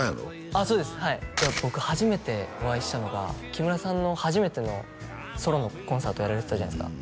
あっそうですはいいや僕初めてお会いしたのが木村さんの初めてのソロのコンサートやられてたじゃないです